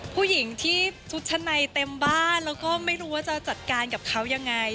ผู้หญิงที่ชุดชั้นในเต็มบ้านแล้วก็ไม่รู้ว่าจะจัดการกับเขายังไง